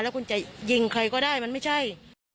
แล้วคุณจะยิงใครก็ได้มันไม่ใช่